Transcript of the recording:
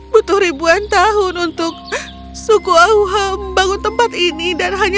kau rumahku apa kesimpulannya